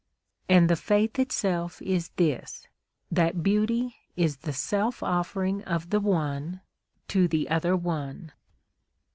And the faith itself is this, that beauty is the self offering of the One to the other One.